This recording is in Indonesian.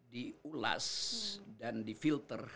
diulas dan di filter